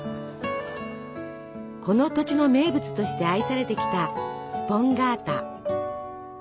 この土地の名物として愛されてきたスポンガータ。